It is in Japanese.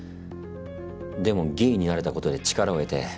でも議員になれたことで力を得て。